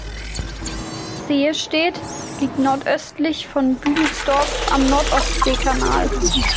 Sehestedt liegt nordöstlich von Büdelsdorf am Nord-Ostsee-Kanal.